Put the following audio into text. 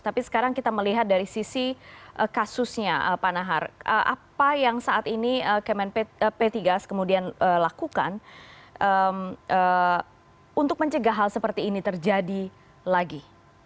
tapi sekarang kita melihat dari sisi kasusnya pak nahar apa yang saat ini kemen p tiga kemudian lakukan untuk mencegah hal seperti ini terjadi lagi